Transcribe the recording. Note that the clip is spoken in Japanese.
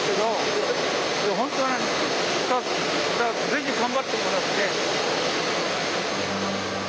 ぜひ頑張ってもらって。